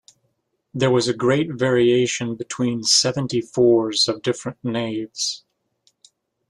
There was great variation between seventy-fours of different navies.